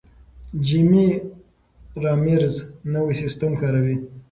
جیمي رامیرز نوی سیستم کاروي.